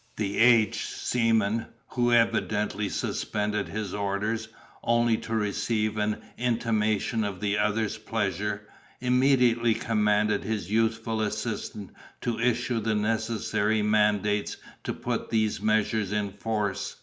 The aged seaman, who evidently suspended his orders, only to receive an intimation of the other's pleasure, immediately commanded his youthful assistant to issue the necessary mandates to put these measures in force.